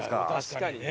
確かにね。